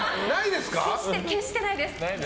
決してないです。